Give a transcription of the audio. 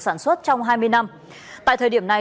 sản xuất trong hai mươi năm tại thời điểm này